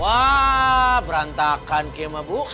wah berantakan kayak mabuk